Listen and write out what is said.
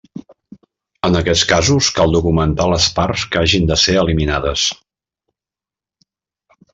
En aquests casos, cal documentar les parts que hagin de ser eliminades.